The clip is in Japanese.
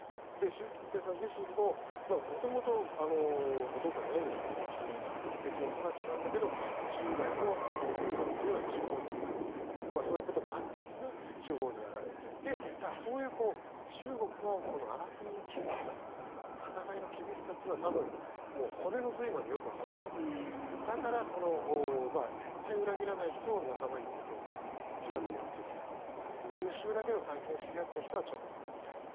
習近平さん自身も元々、お父さん偉いですから北京生まれ、北京育ちなんだけど１０代の数年間っていうのは地方にやられてそういうこともあって地方にやられてだから、そういう中国の争いの厳しさ戦いの厳しさというのは骨の髄までよくわかってるからだから、絶対裏切らない人を仲間に入れておきたい近くに置いておきたい優秀だけど、最近知り合った人はちょっとねみたいな。